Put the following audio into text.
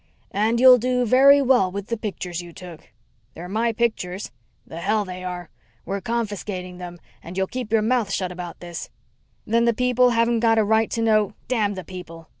"And you'll do very well with the pictures you took." "They're my pictures." "The hell they are. We're confiscating them and you'll keep your mouth shut about this." "Then the people haven't got a right to know " "Damn the people!"